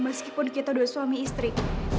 meskipun kita sudah suami istri